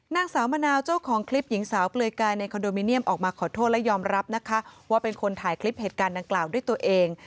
นางสาวมะนาวเจ้าของคลิปหญิงสาวเปลือยกายในคอนโดมิเนียมออกมาขอโทษและยอมรับนะคะว่าเป็นคนถ่ายคลิปเหตุการณ์ดังกล่าวด้วยตัวเอง